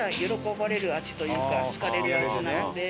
好かれる味なので。